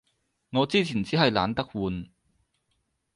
我之前衹係懶得換